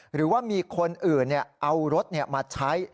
หรือว่ามีคนอื่นเอารถมาใช้